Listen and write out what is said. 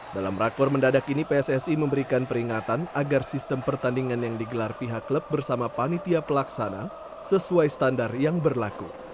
dalam rakor mendadak ini pssi memberikan peringatan agar sistem pertandingan yang digelar pihak klub bersama panitia pelaksana sesuai standar yang berlaku